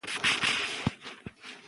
پاکیزه ویلي وو چې ستونزې زیاتې شوې.